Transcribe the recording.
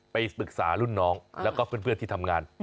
ไปปรึกษารุ่นน้องแล้วก็เพื่อนที่ทำงาน